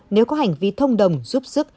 nếu có hành vi thông đồng giúp giúp